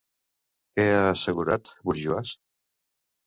Què ha assegurat Bourgeois?